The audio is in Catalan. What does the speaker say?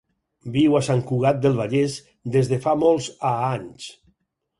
Viu a Sant Cugat del Vallès des de fa molts a anys.